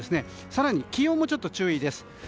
更に、気温も注意です。